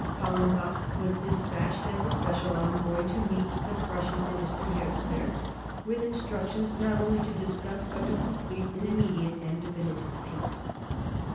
Collenbach was despatched, as a special envoy, to meet the Prussian minister Herzberg, with instructions not only to discuss but to complete an immediate and definitive peace.